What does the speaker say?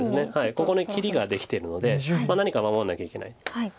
ここに切りができてるので何か守んなきゃいけない。